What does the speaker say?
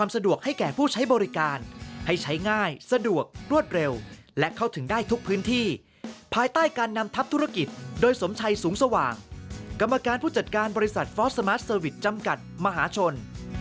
สูงสว่างกรรมการผู้จัดการบริษัทฟอร์สสมาร์ทเซอร์วิทย์จำกัดมหาชน